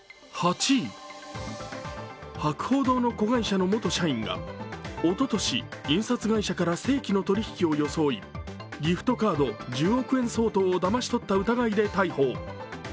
博報堂の子会社の元社員がおととし、印刷会社から正規の取り引きを装い、ギフトカード１０億円相当をだまし取った疑いで逮捕。